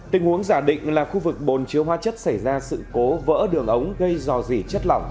tình huống giả định là khu vực bồn chữa hóa chất xảy ra sự cố vỡ đường ống gây dò dỉ chất lỏng